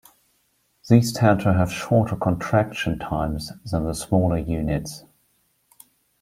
These tend to have shorter contraction times than the smaller units.